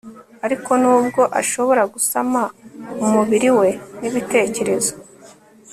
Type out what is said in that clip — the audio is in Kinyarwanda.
ariko n'ubwo ashobora gusama, umubiri we n'ibitekerezo